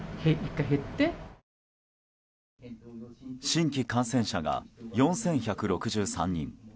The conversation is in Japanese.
新規感染者が４１６３人